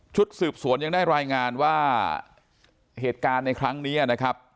สืบสวนยังได้รายงานว่าเหตุการณ์ในครั้งนี้นะครับ